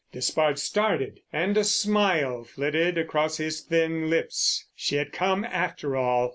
Despard started, and a smile flitted across his thin lips. She had come after all!